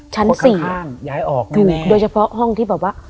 ชั้น๔โดยเฉพาะห้องที่แบบว่า